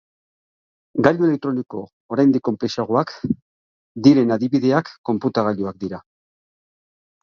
Gailu elektroniko oraindik konplexuagoak diren adibideak konputagailuak dira.